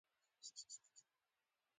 اوس زه کار کوم لږ صبر